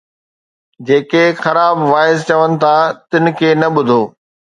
جيڪي خراب واعظ چون ٿا، تن کي نه ٻڌو